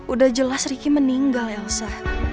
udah jelas ricky meninggal elsa